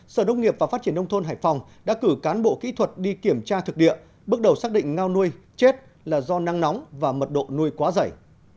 sở đông nghiệp và phát triển nông thôn hải phòng đã cử cán bộ kỹ thuật đi kiểm tra thực địa bước đầu xác định ngao nuôi chết là do nắng nóng và mật độ nuôi quá dày